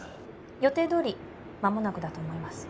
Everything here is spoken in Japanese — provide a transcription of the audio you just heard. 予定どおりまもなくだと思います